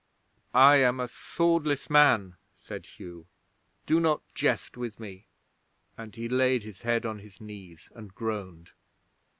'"I am a swordless man," said Hugh. "Do not jest with me," and he laid his head on his knees and groaned.